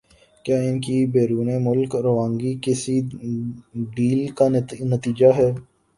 کیا ان کی بیرون ملک روانگی کسی ڈیل کا نتیجہ ہے؟